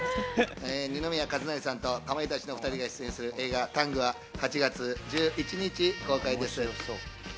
二宮和也さんとかまいたちのお２人が出演する映画『ＴＡＮＧタング』は８月１１日公開です。